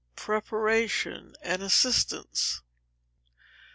Preparation and Assistance.